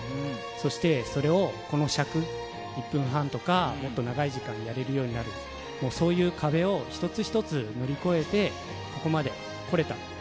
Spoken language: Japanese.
そしてそれをこの尺、１分半とか、もっと長い時間やれるようになる、そういう壁を一つ一つ乗り越えて、ここまで来れた。